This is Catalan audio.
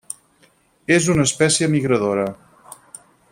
És una espècie migradora.